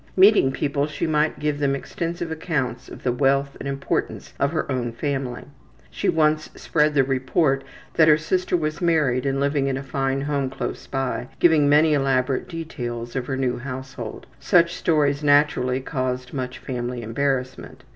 Meeting people she might give them extensive accounts of the wealth and importance of her own family. She once spread the report that her sister was married and living in a fine home close by, giving many elaborate details of the new household. Such stories naturally caused much family embarrassment.